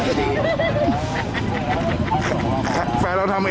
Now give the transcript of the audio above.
หนูรักเขาค่ะพี่